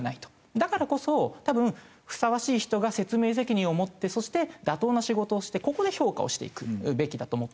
だからこそ多分ふさわしい人が説明責任を持ってそして妥当な仕事をしてここで評価をしていくべきだと思っていて。